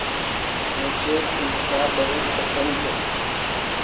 मुझे पिज़्ज़ा बहुत पसंद है।